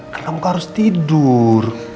karena om gak harus tidur